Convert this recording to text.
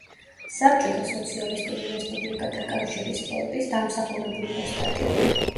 საბჭოთა სოციალისტური რესპუბლიკათა კავშირის სპორტის დამსახურებული ოსტატი.